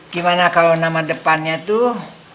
gimana kalau nama depannya tuh